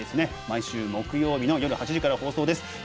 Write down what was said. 毎週木曜日の夜８時から放送です。